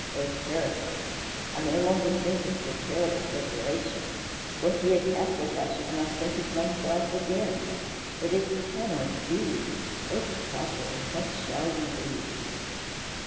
A heretic! I no longer think of the terrible separation. Were he a Catholic I should not think of myself again. But it cannot be. Oh, padre, what shall we do?"